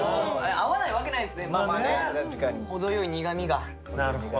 合わないわけないですね。